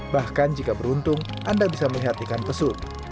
bahkan jika beruntung anda bisa melihat ikan pesut